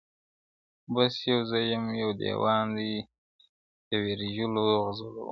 بس یو زه یم یو دېوان دی د ویرژلو غزلونو.!